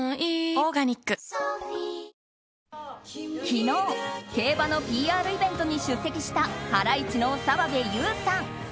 昨日競馬のＰＲイベントに出席したハライチの澤部佑さん。